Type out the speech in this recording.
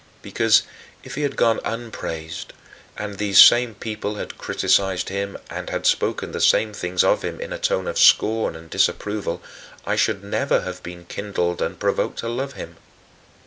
Because if he had gone unpraised, and these same people had criticized him and had spoken the same things of him in a tone of scorn and disapproval, I should never have been kindled and provoked to love him.